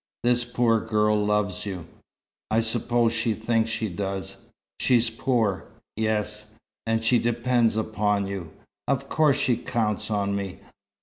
This poor girl loves you?" "I suppose she thinks she does." "She's poor?" "Yes." "And she depends upon you." "Of course she counts on me.